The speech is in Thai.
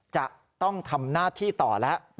จะต้องทำหน้าที่ต่อแล้ว